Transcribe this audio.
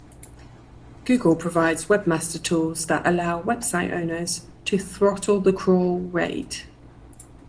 Google provides "Webmaster Tools" that allow website owners to throttle the crawl rate.